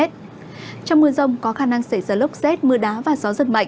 trong mưa rông có khả năng xảy ra lốc xét mưa đá và gió giật mạnh